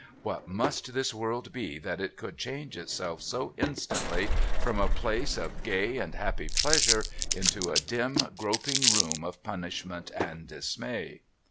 What must this world be that it could change itself so instantly from a place of gay and happy pleasure into a dim groping room of punishment and dismay?